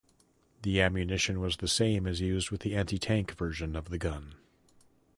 The ammunition was the same as used with the anti-tank version of the gun.